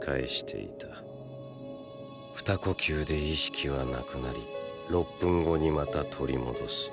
二呼吸で意識は無くなり６分後にまた取り戻す。